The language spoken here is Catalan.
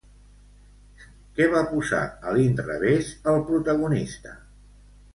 Què va posar a l'inrevés el protagonista?